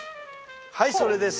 はいそれです。